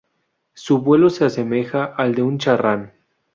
Su vuelo se asemeja al de un charrán.